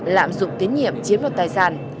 lạm dụng tiến nhiệm chiếm đoạt tài sản